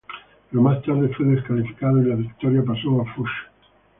Pero más tarde fue descalificado y la victoria pasó a Fuchs.